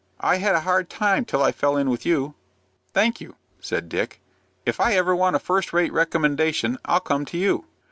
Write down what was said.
I had a hard time till I fell in with you." "Thank you," said Dick; "if I ever want a first rate recommendation I'll come to you.